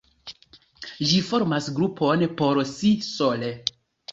Ĝi formas grupon por si sole.